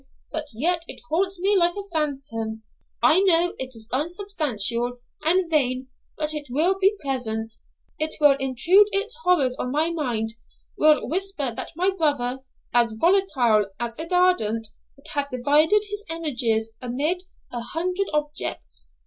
but yet it haunts me like a phantom; I know it is unsubstantial and vain; but it will be present; will intrude its horrors on my mind; will whisper that my brother, as volatile as ardent, would have divided his energies amid a hundred objects.